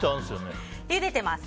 ゆでてます。